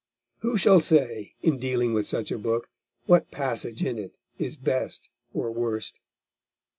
Who shall say, in dealing with such a book, what passage in it is best or worst?